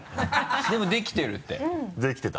でもできてるって。